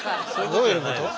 どういうこと？